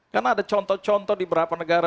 karena ada contoh contoh di beberapa negara